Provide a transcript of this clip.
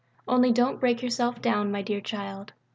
Only don't break yourself down, my dear child....